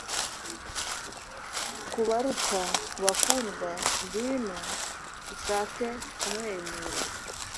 kubaruta, bakundwa, ngwino ushake kumwenyura